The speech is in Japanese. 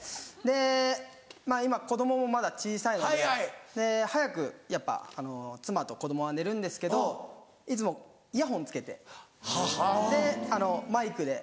今子供もまだ小さいので早くやっぱ妻と子供は寝るんですけどいつもイヤホン着けてマイクで。